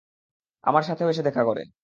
আমার সাথেও এসে দেখা করে।